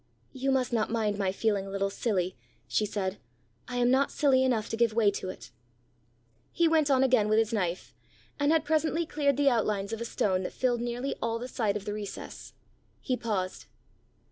"You must not mind my feeling a little silly," she said. "I am not silly enough to give way to it." He went on again with his knife, and had presently cleared the outlines of a stone that filled nearly all the side of the recess. He paused.